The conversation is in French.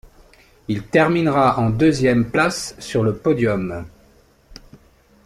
Il terminera en deuxième place sur le podium.